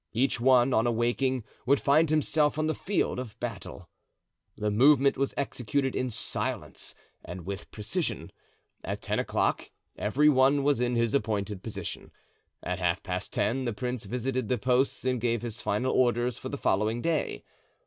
Each one, on awaking, would find himself on the field of battle. The movement was executed in silence and with precision. At ten o'clock every one was in his appointed position; at half past ten the prince visited the posts and gave his final orders for the following day.